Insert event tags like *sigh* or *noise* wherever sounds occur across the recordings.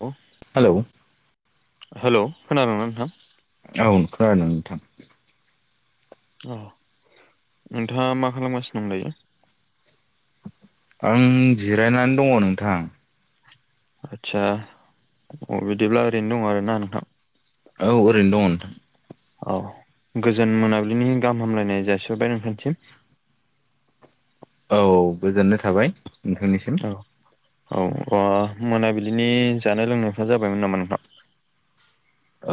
अ। Hello. Hello खोनादोंना नोंथां? औखोनादों नोंथां। अ नोंथाङा मा खालामगासिनो दं दायो। आं जिरायनानै दङ नोंथां। आदसा अ बिदिब्ला ओरैनो दङ आरोना नोंथां? औ ओरैनो दं नोंथां। औ गोजोन मोनाबिलिनि गाहाम हामलायनाय जासिबाय नोंथांसिम। औ गोजोननाय थाबाय। नोंथांनिसिम औ औ अ मोनाबिलिनि जानाय लोंनायफ्रा जाबायमोन नामा नोंथां?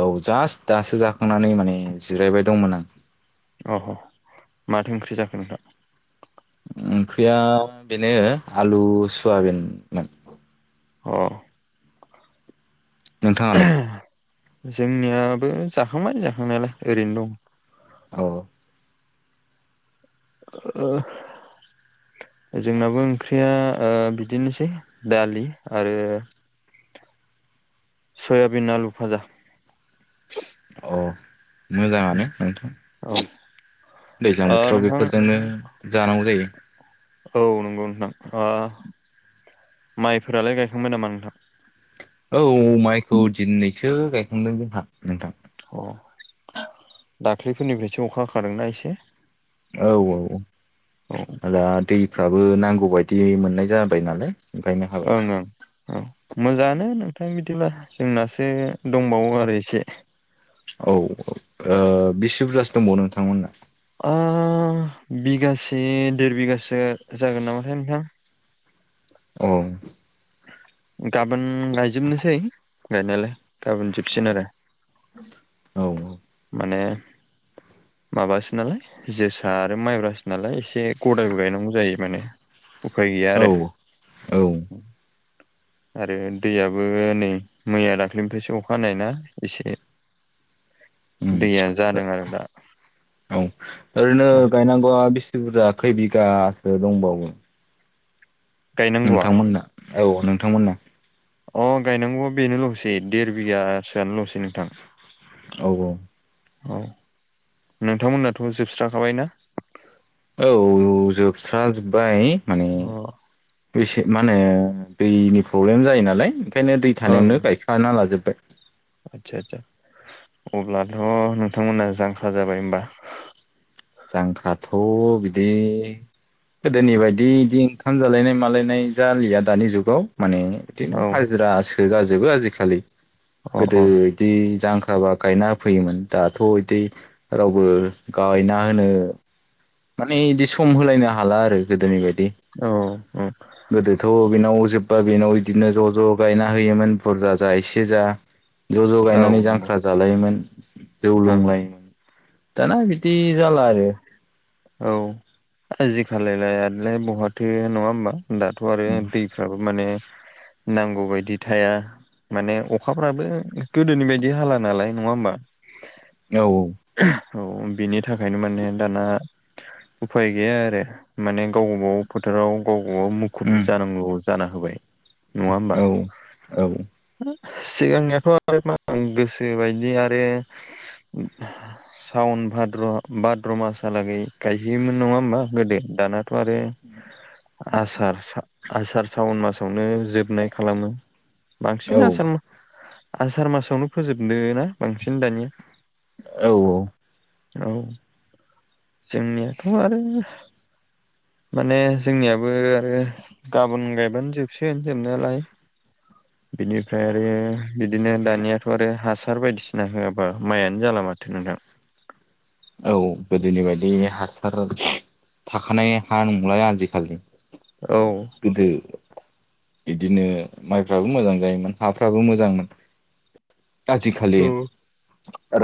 औ जास्ट दासो जाखांनानै माने जिरायबाय दंमोन आं। अह माथो ओंख्रि जाखो नोंथां? ओंख्रिया बेनो आलु सयाबिनमोन। अ नोंथाङालाय? जोंनियाबो जाखांबाय जाखांनायालाय ओरैनो दं। औ। *inaudible* जोंनाबो ओंख्रिया बिदिनोसै दालि आरो सयाबिन आलु भाजा। अ। मोजाङानो नोंथां औ दैज्लां ओ बोथोराव नोंथां बेफोरजोंनो जानांगौ जायो। औ नंगौ नोंथां माइफोरालाय गायखांबाय नामा नोंथां? औ माइखौ दिनैसो गायखांदों जोंहा नोंथां। अ दाख्लैफोरनिफ्रायसो अखा हाखादोंना एसे औ औ दा दैफ्राबो नांगौ बायदि मोननाय जाबाय नालाय। गायनो हाबाय ओं ओं। औ मोजाङानो नोंथां बिदिब्ला जोंनासो दंबावो आरो एसे। औ बिसि बुरजासो दंबावो नोंथांमोना? बिगासे देर बिगासो जागोन नामाथाय नोंथां? औ। गाबोन गायजोबनोसै गायनायालाय गाबोन जोबसिन आरो। औ। माने माबासो नालाय। जोसा आरो माइब्रासो नालाय एसे गदायबो गायनांगौ जायो माने। उफाय गैया औ आरो। औ आरो दैयाबो नै मैया दाख्लैनिफ्रायसो अखाहानायानाय नो एसे उम दैया जादों आरो दा औ ओरैनो औ गायनांगौआ बेसे खै बुरजा खै बिघासो दंबावो गायनांगौआ नोंथांमोनना औ नोंथांमोनना अ गायनांगौआ बेनोल'सै देर बिगासोआनोल'सै नोंथां औ औ औ नोंथांमोननाथ' जोबस्राखाबाय ना औ जोबस्राजोब्बाय माने अ बेसे मा होनो दैनि प्रब्लेम जायो नालाय ओंखायनो दै ओं थानायावनो गाय हाना लाजोब्बाय आदसा आदसा अब्लाथ' नोंथांमोना जांख्रा जाबाय होनबा जांख्राथ' बिदि गोदोनि बायदि इदि ओंखाम जालायनाय मालायनाय जालिया दानि जुगाव माने बिदिनो औ हाजिरासो जाजोबो आजिखालि अ गोदो इदि जांख्राबा गायना फैयोमोन दाथ' बिदि रावबो गायना होनो माने बिदि सम होलायनो हाला आरो गोदोनि बायदि औ औ गोदोथ' बेनाव जोब्बा बेनाव बिदिनो ज' ज' गायना होयोमोन बुरजा जा एसे जा ज' ज' औ गायनानै नंगौ जांख्रा जालायोमोन जौ ओं लोंलाय दाना बिदि जाला आरो औ आजिखालिलाय आरोलाय बहाथो नङा होमबा दाथ' आरो दै फोराबो माने नांगौबायदि थाया माने अखाफ्राबो गोदोनि बायदि हाला नालाय नङा होमबा औ औ बिनि थाखायनो माने दाना उफाय गैया आरो माने गाव गबाव फोथाराव गाव गबाव मुखुब जानांगौ जाना होबाय नङा होमबा औ औ सिगांनियाथ' आरो मा गोसो बायदि आरो सउन भाद्र' भाद्र' मासालागै गायहैयोमोन नङा होमबा गोदो दानाथ' आरो *inaudible* आसार सा आसार सावन मासावनो जोबनाय खालामो बांसिन औ आसार आसार मासावनो फोजोबदों ना बांसिन दानिया औ औ औ जोंनियाथ' आरो माने जोंनियाबो आरो गाबोन गायबानो जोबसिगोन जोबनायालाय *inaudible* बिनिफ्राय आरो बिदिनो दानियाथ' आरो हासार बायदिसिना होआबा मायानो जाला माथो नोंथां औ गोदोनि बायदि हासार थाखानाय हां लाय आजिखालि औ गोदो बिदिनो माइफ्राबो मोजां जायोमोन हाफ्राबो मोजांमोन आजिखालि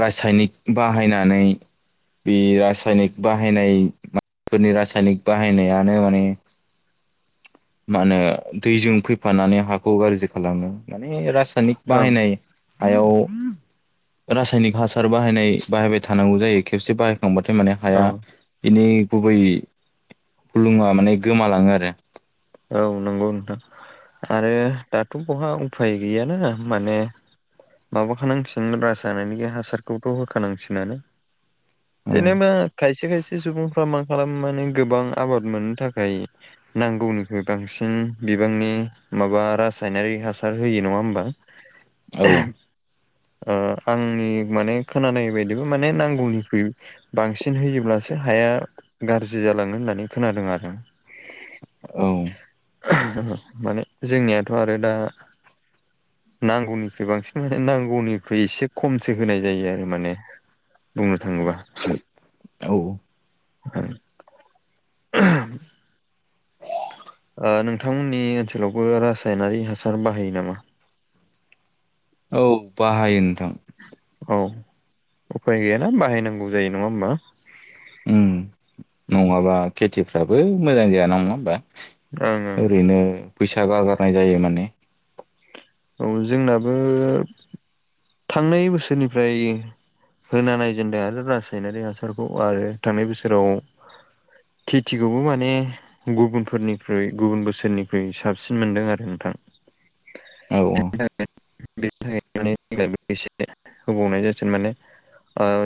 रासायनिक बाहायनानै बे रासायनिक बाहायनाय मानसिफोरनि रासायनिक बाहायनायानो माने मा होनो दैजों फैफानानै हाखौ गाज्रि खालामो माने रासायनिक औ बाहायनाय हायाव रासायनिक हासार बाहायनाय बाहायबाय थानांगौ जायो खेबसे बा थांबाथाय माने हाया बिनि गुबै हुलुङा माने गोमालाङो आरो औ नंगौ नोंथां आरो दाथ' बहा उफाय गैयाना माने माबाखानांसिन रासायनिख हासारखौथ' होखानांसिनानो औ जेनेबा खायसे खायसे सुबुं खालामना खालाम मनानै गोबां आबाद मोननो थाखाय। नांगौ नोंथां। बांसिन बिबांनि माबा रासायनारि हासार होयो नङा होमबा? औ आंनि माने खोनानाय बायदिबो माने नांगौनिख्रुइ बांसिन होयोब्लासो हाया गाज्रि जालाङो होननानै खोनादों आरो। औ। माने जोंनियाथ' आरो दा। नांगौनिख्रइ बांसिन माने नांगौनिखुइ एसे खमसो होनाय जायो आरो माने। बुंनो थाङोबा। औ। औ। नोंथांमोननि ओनसोलावबो रासायनारि हासार बाहायो नामा? औ बाहायो नोंथां। औ उफाय गैयाना बाहायनांगौ जायो नङा होमबा? उ ओं नङाबा खेथिफ्राबो मोजां जायाान नङा होमबा? ओं ओरैनो बैसा गारगारनाय जायो माने। औ जोंनाबो थांनाय बोसोरनिफ्राय होना नायजेनदों आरो रासायनारि हासारखौ आरो थांनाय बोसोराव खेथिखौबो माने गुबुनफोरनिख्रुइ गुबुन बोसोरनिख्रुइ साबसिन मोनदों आरो नोंथां। औ औ। बेनि थाखाय माने एसे होबावनाय जाथोन माने।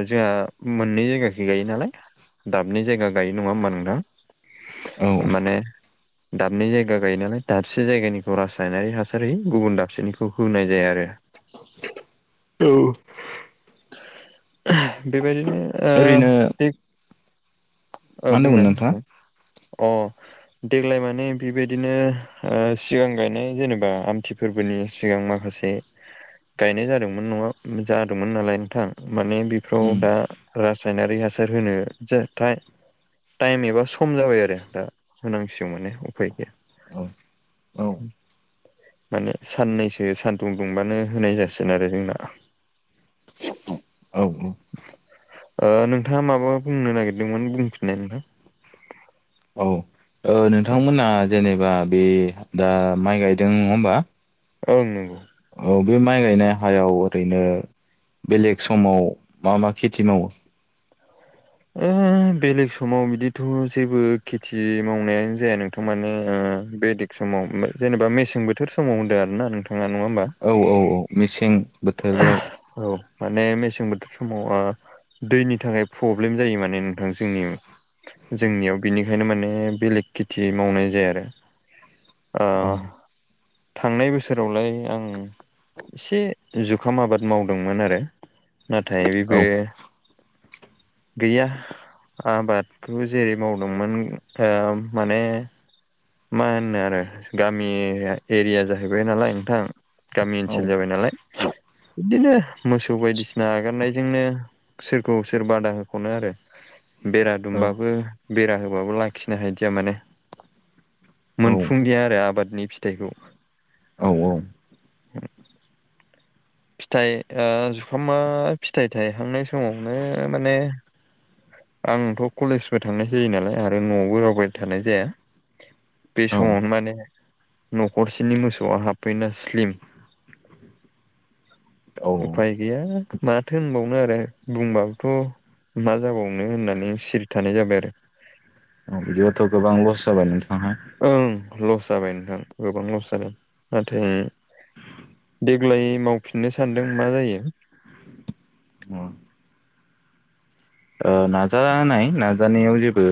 जोंहा मोननै जायगाखो गायो नालाय दाबै जायगा गायो नङा होमबा नोंथां? औ माने दाबनै जायगा गायो नालाय दाबसे जायगानिखौ रासायनारि हासार होयो गुबुन दाबसेनिखौ होनाय जाया आरो। औ। बेबायदिनो ओ ओरैनो औ मा होनदोंमोन बुंनाय नोंथाङा नोंथां अ। देग्लाय माने बेबायदिनो सिगां गायनाय जेनेबा आमथि फोरबोनि सिगां माखासे गायनाय जादोंमोन नङा जादोंमोन नालाय नोंथां माने बेफोराव उम दा रासायनारि हासार होनो जथाय टाइम एबा सम जाबाय आरो दा होनांसिगौ माने उफाय गैया। औ औ। माने साननैसो सानदुं दुंबानो होनाय जासिगोन आरो जोंना। औ। औ नोंथाङा माबा बुंनो नागिरदोंमोन बुंफिननाय नोंथां। औ ओ नोंथांमोना जेनेबा बे दा माइ गायदों नङा होमबा? औ नंगौ। औ बे माइ गायनाय हायाव ओरैनो बेलेग समाव मा मा खेथि मावो। ओ। बेलेग समाव बिदिथ' जेबो खेथि मावनायानो जाया नोंथां माने बे समाव जेनेबा मेसें बोथोर समाव होन्दों आर ना नोंथाङा नङा होमबा? औ औ औ मेसें बोथोरफ्राव औ माने मेसें बोथोर समाव दैनि थाखाय प्रब्लेम जायो माने नोंथां जोंनि जोंनियाव बिनिखायनो माने बेलेग खेथि मावनाय जाया आरो। ओ औ थांनाय बोसोरावलाय आं इसे जुखाम आबाद मावदोंमोन आरो नाथाय औ बे गैया आबादखौ जेरै मावदोंमोन ओ माने मा होननो आरो गामि एरिया जाहैबाय नालाय नोंथां गामि औ ओनसोल जाबाय नालाय *unintelligible* बिदिनो मोसौ बायदिसिना हेगारनायजोंनो सोरखौ सोर बादा होख'नो आरो बेरा औ दुमबाबो बेरा होबाबो लाखिनो हायदिया माने मोनफुंदिया आरो आबादनि फिथाइखौ औ औ *inaudible* फिथाइ ओ जुखामा फिथाइ थाइहांनाय समावनो माने आंथ' कलेजबो थांनाय जायो नालाय आरो न'आवबो रावबाय थानाय जाया बे औ समावनो माने न'खरसेनि मोसौआ हाबफैना स्लिम औ उफाय गैया माथो होनबावनो आरो बुंबाबोथ' मा जाबावनो होननानै सिरि थानाय जाबाय आरो औ बिदिबाथ' गोबां लस जाबाय नोंथाङा ओं लस जाबाय नोंथां गोबां लस जाबाय नाथाय देग्लाय मावफिननो सानदों मा जायो ओ ओ नाजानाय नाजानायाव जेबो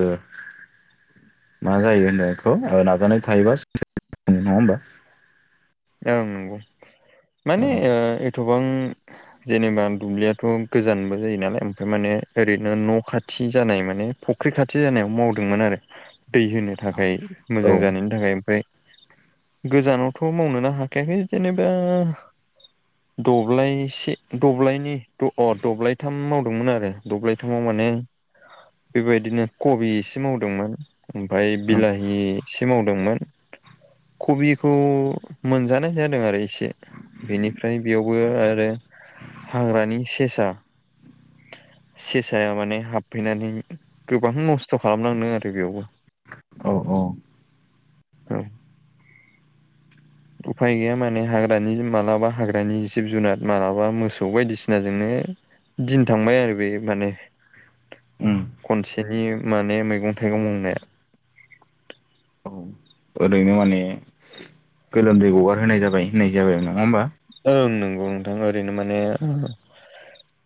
मा जायो होनो बेखौ ओ नाजानाय थायोबा नङा होमबा ओं नंगौ माने ओ एथबां जेनेबा दुब्लियाथ' गोजानबो जायो नालाय ओमफ्राय माने ओरैनो न' खाथि जानाय माने फुख्रि खाथि जानायाव मावदोंमोन आरो दै होनो थाखाय मोजां औ जानायनि थाखाय ओमफाय गोजानावथ' मावनोनो हाखायाखै जेनेबा द'ब्लाइसे द'ब्लायनै द अ द'ब्लायथाम मावदोंमोन आरो द'ब्लायथामाव माने बेबायदिनो कबि इसे मावदोंमोन ओमफाय बिलाहि इसे मावदोंमोन कबिखौ मोनजानाय जादों आरो इसे बेनिफ्राय बेयावबो आरो हाग्रानि सेसा सेसाया माने हाबफैनानै गोबां नस्थ' खालामलांदों आरो बेयावबो औ औ औ उफाय गैया माने हाग्रानि मालाबा हाग्रानि जिब-जुनार मालाबा मोसौ बायदिसिनाजोंनो दिन थांबाय आरो बे माने उम खनसेनि माने मैगं-थाइगं मावनाया औ ओरैनो माने गोलोमदै ग'गारहोनाय जाबाय होननाय जाबाय नङा होमबा ओं नोंगौ नोंथां ओरैनो माने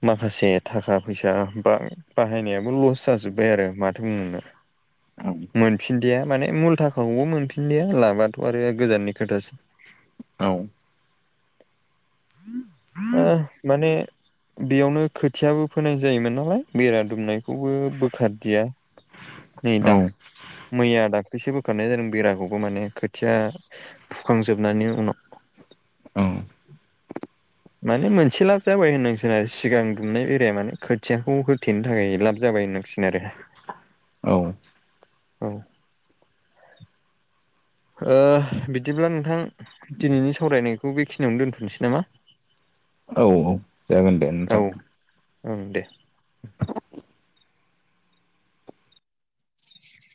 माखासे थाखा-फैसा बां बाहायनायाबो ल'स जाजोबबाय आरो माथो बुंबावनो औ मोनफिनदिया माने मुलथाखाखौबो मोनफिनदिया लाबाथ' आरो गोजाननि खोथासो औ ओ माने बेयावनो खोथियाबो फोनाय जायोमोन नालाय बेरा दुमनायखौबो बोखारदिया नि दाख मैया दाख्लैसो बोखारनाय जादों बेराखौबो माने खोथिया फुखांजोबनायनि उनाव औ माने मोनसे लाब जाबाय होननांसिगोन आरो सिगां दुमनाय बेराया माने खोथियाखौ होथेनो थाखाय लाब जाबाय होननां सिगोन आरो औ औ ओ बिदिब्ला नोंथां दिनैनि सावरायनायखौ बेखिनियावनो दोनथ'नोसै नामा? *inaudible* औ औ जागोन दे औ नोंथां। ओं दे